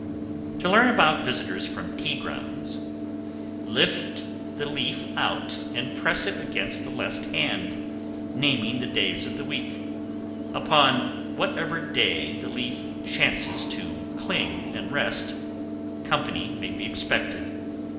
_ 777. To learn about visitors from tea grounds: Lift the leaf out and press it against the left hand, naming the days of the week. Upon whichever day the leaf chances to cling and rest, company may be expected.